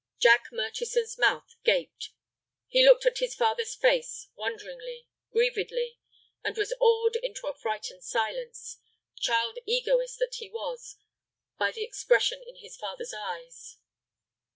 Jack Murchison's mouth gaped. He looked at his father's face, wonderingly, grievedly, and was awed into a frightened silence, child egoist that he was, by the expression in his father's eyes.